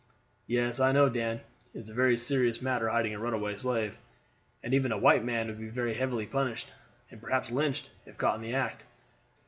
"Yes, I know, Dan; it is a very serious matter hiding a runaway slave, and even a white man would be very heavily punished, and perhaps lynched, if caught in the act.